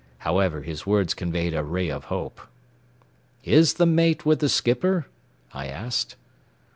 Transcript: However, his words conveyed a ray of hope. "Is the mate with the skipper?" I asked.